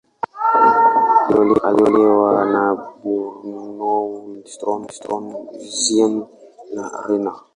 Aliolewa na Bernow, Lindström, Ziems, na Renat.